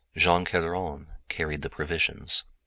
Jean Kerderen carried the provisions.